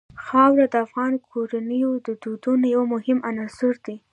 خاوره د افغان کورنیو د دودونو یو مهم عنصر دی.